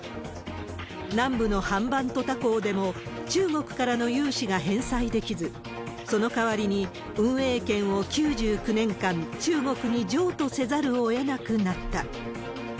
南部のハンバントタ港でも、中国からの融資が返済できず、そのかわりに運営権を９９年間、中国に譲渡せざるをえなくなった。